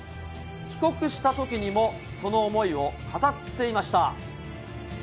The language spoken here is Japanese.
帰国したときにも、その思いを語っていました。